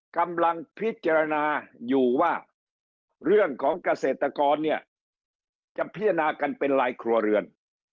กำลังพิจารณาอยู่ว่าเรื่องของเกษตรกรเนี่ยจะพิจารณากันเป็นลายครัวเรือน